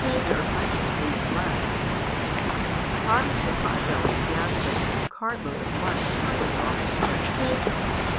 There are plenty of leaves left." Taras the Pot bellied gathered up a whole cartload of money, and went off to trade.